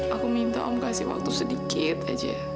aku minta om kasih waktu sedikit aja